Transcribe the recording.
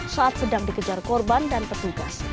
saat sedang dikejar korban dan petugas